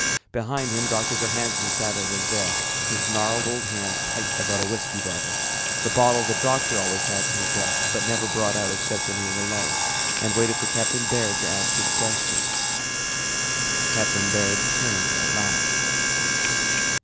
Behind him Doctor Johannsen sat at his desk, his gnarled old hand tight about a whiskey bottle, the bottle the doctor always had in his desk but never brought out except when he was alone, and waited for Captain Baird to ask his question. Captain Baird turned at last.